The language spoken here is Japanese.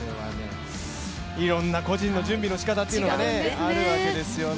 いろんな個人の準備の仕方というのがあるわけなんですよね。